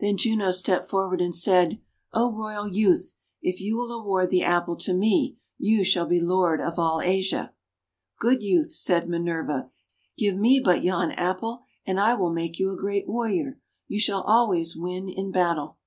Then Juno stepped forward, and said: "O THE WONDER GARDEN royal Youth, if you will award the Apple to me, you shall be Lord of all Asia/3 "Good Youth," said Minerva, "give rne but yon Apple, and I will make you a great warrior. You shall always win in battle.'